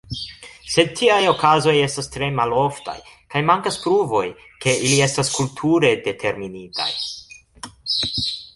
Sed tiaj okazoj estas tre maloftaj, kaj mankas pruvoj, ke ili estas kulture determinitaj.